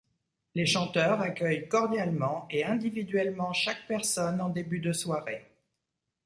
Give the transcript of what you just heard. Les chanteurs accueillent cordialement et individuellement chaque personne en début de soirée.